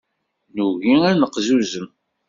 Nugi ad neqzuzem.